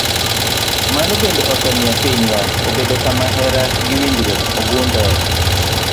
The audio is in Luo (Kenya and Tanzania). Mano bende osemiyo pinywa obedo kama hera gi winjruok ogundhoe.